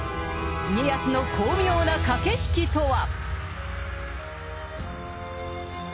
家康の巧妙な駆け引きとは。